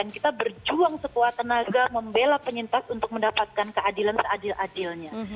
kita berjuang sekuat tenaga membela penyintas untuk mendapatkan keadilan seadil adilnya